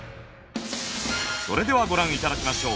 それではご覧頂きましょう。